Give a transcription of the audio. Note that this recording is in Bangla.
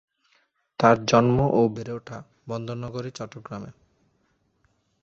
তার জন্ম ও বেড়ে ওঠা বন্দর নগরী চট্টগ্রামে।